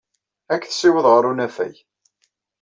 Ad k-tessiweḍ ɣer unafag.